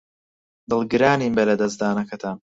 دڵگرانین بە لەدەستدانەکەتان.